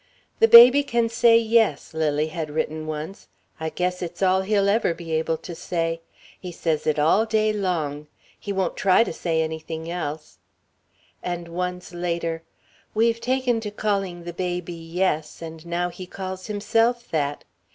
"The baby can say 'Yes,'" Lily had written once; "I guess it's all he'll ever be able to say. He says it all day long. He won't try to say anything else." And once later: "We've taken to calling the baby 'Yes,' and now he calls himself that.